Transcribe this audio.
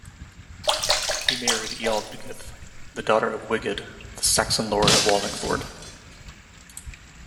He married Ealdgyth, the daughter of Wigod, the Saxon lord of Wallingford.